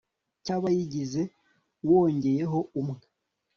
cy abayigize wongeye ho umwe